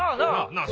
なあ？